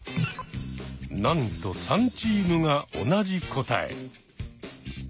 なんと３チームが同じ答え。